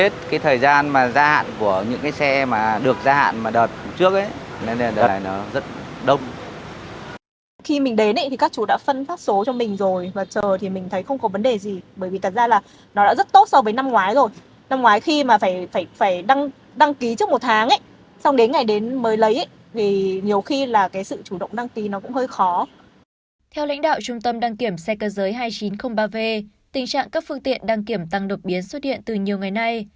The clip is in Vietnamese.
theo lãnh đạo trung tâm đăng kiểm xe cơ giới hai nghìn chín trăm linh ba v tình trạng các phương tiện đăng kiểm tăng độc biến xuất hiện từ nhiều ngày nay